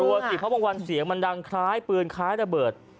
สิเพราะบางวันเสียงมันดังคล้ายปืนคล้ายระเบิด